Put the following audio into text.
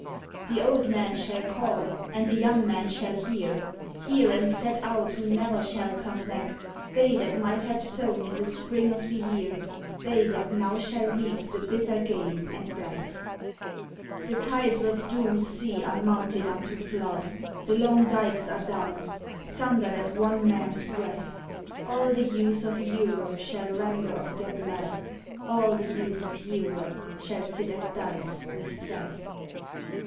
"The old men shall call, and the young men shall hear, Hear and set out, who never shall come back They that might have sown in the spring of the year, They that now shall reap the bitter grain and black. 118 ON THE GREAT WAR "The tides of doom s sea are mounted unto flood; The long dykes are down, sundered at one man s breath. All the youth of Europe shall render of their blood. All the youth of Europe shall sit at dice with Death.